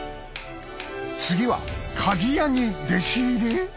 次は鍛冶屋に弟子入り？